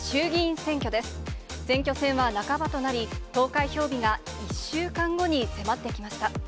選挙戦は半ばとなり、投開票日が１週間後に迫ってきました。